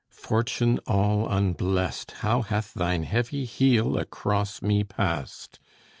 Fortune all unblest, How hath thine heavy heel across me passed!